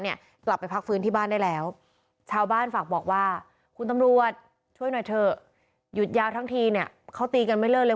ยืดยาวทั้งทีเขาตีกันไม่เริ่มเลย